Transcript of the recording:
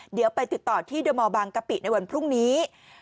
เดี๋ยวไปติดต่อที่เดอร์มอลบางกะปิในวันพรุ่งนี้